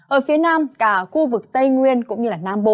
ở phía nam cả khu vực tây nguyên cũng như nam bộ